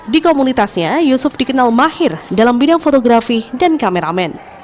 di komunitasnya yusuf dikenal mahir dalam bidang fotografi dan kameramen